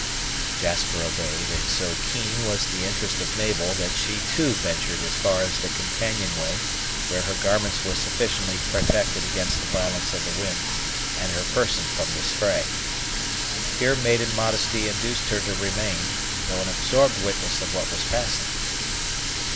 Jasper obeyed, and so keen was the interest of Mabel, that she too ventured as far as the companion way, where her garments were sufficiently protected against the violence of the wind and her person from the spray. Here maiden modesty induced her to remain, though an absorbed witness of what was passing.